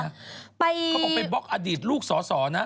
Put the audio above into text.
เขาบอกไปบล็อกอดีตลูกสอสอนะ